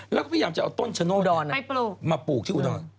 แล้วก็พยายามจะเอาต้นชะโนดรมาปลูกที่อุดร